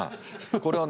これはね